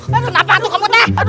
kenapa itu kamu teh